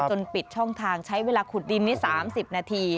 ปิดช่องทางใช้เวลาขุดดินนี้๓๐นาที